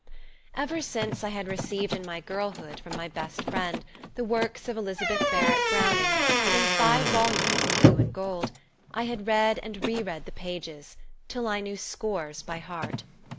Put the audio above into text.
1859] Ever since I had received in my girlhood, from my best friend, the works of Elizabeth Barrett Browning, in five volumes in blue and gold, I had read and re read the pages, till I knew scores by heart.